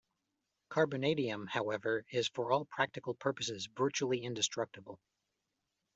Carbonadium, however, is for all practical purposes virtually indestructible.